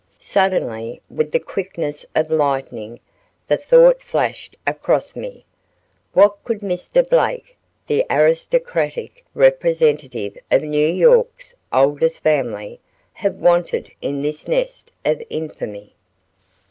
Suddenly with the quickness of lightning the thought flashed across me, what could Mr. Blake, the aristocratic representative of New York's oldest family, have wanted in this nest of infamy?